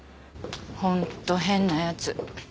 ホント変なやつ。